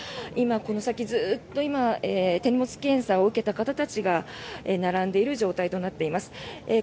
今、この先ずっと手荷物検査場を受けた方たちが並んでいる状態となっています。